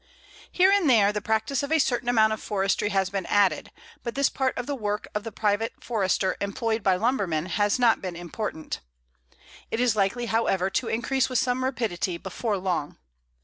Here and there the practice of a certain amount of forestry has been added, but this part of the work of the private Forester employed by lumbermen has not been important. It is likely, however, to increase with some rapidity before long.